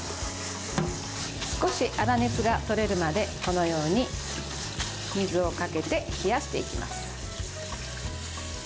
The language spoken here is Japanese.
少し粗熱がとれるまでこのように水をかけて冷やしていきます。